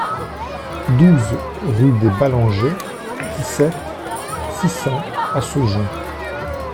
douze rue des Ballangers, dix-sept, six cents à Saujon